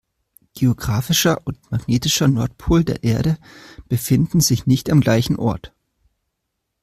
Geographischer und magnetischer Nordpol der Erde befinden sich nicht am gleichen Ort.